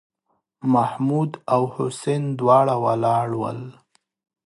محمـود او حسين دواړه ولاړ ول.